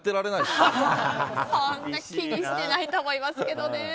そんな気にしてないと思いますけどね。